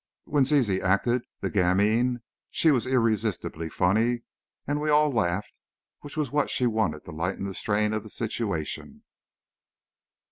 When Zizi acted the gamine she was irresistibly funny and we all laughed, which was what she wanted to lighten the strain of the situation.